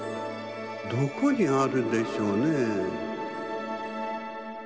どこにあるんでしょうね？